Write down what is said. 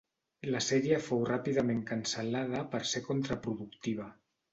La sèrie fou ràpidament cancel·lada per ser contraproductiva.